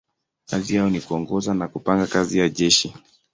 Kazi yao ni kuongoza na kupanga kazi ya jeshi.